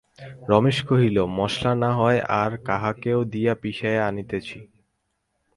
রমেশ কহিল, মসলা নাহয় আর কাহাকেও দিয়া পিষাইয়া আনিতেছি।